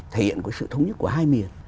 thể hiện sự thống nhất của hai miền